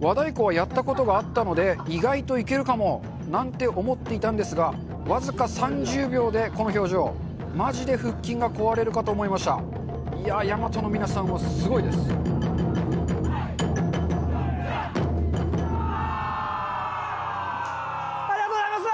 和太鼓はやったことがあったので意外といけるかもなんて思っていたんですが僅か３０秒でこの表情マジで腹筋が壊れるかと思いましたいや倭−ＹＡＭＡＴＯの皆さんはすごいですありがとうございました！